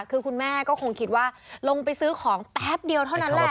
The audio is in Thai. คือคุณแม่ก็คงคิดว่าลงไปซื้อของแป๊บเดียวเท่านั้นแหละ